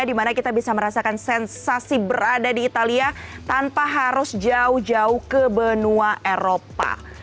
dimana kita bisa merasakan sensasi berada di italia tanpa harus jauh jauh ke benua eropa